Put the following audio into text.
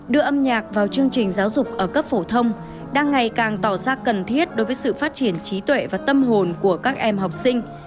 đưa âm nhạc vào chương trình giáo dục ở cấp phổ thông đang ngày càng tỏ ra cần thiết đối với sự phát triển trí tuệ và tâm hồn của các em học sinh